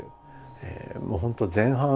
もう本当前半